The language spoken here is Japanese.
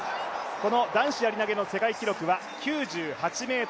この男子やり投の世界記録は９８ｍ４８